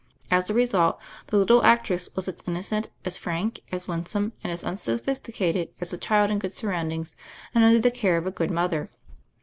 As a result, the little actress was as innocent, as frank, as winsome and as unsophisticated as a child in' good surroundings and under the care of a good mother.